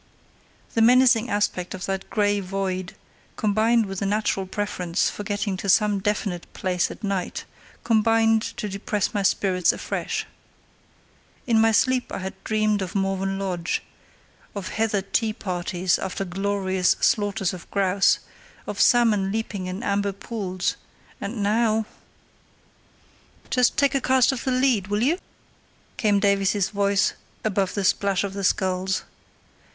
The menacing aspect of that grey void, combined with a natural preference for getting to some definite place at night, combined to depress my spirits afresh. In my sleep I had dreamt of Morven Lodge, of heather tea parties after glorious slaughters of grouse, of salmon leaping in amber pools—and now—— "Just take a cast of the lead, will you?" came Davies's voice above the splash of the sculls.